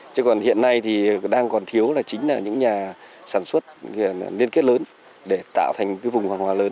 chứ còn hiện nay thì đang còn thiếu là chính là những nhà sản xuất liên kết lớn để tạo thành cái vùng hàng hóa lớn